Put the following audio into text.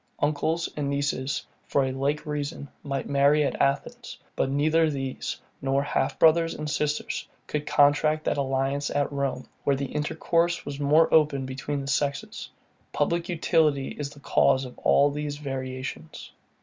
Uncles and nieces, for a like reason, might marry at Athens; but neither these, nor half brothers and sisters, could contract that alliance at Rome, where the intercourse was more open between the sexes. Public utility is the cause of all these variations.